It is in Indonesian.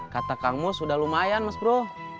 kata kang mus sudah lumayan mas bro